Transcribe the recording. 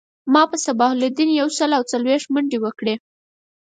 ما په صباح الدین یو سل او څلویښت منډی وکړی